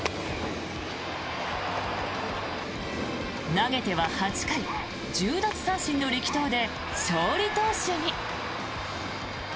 投げては８回１０奪三振の力投で勝利投手に。